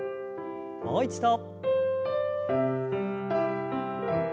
もう一度。